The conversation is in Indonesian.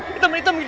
hitam hitam gini gak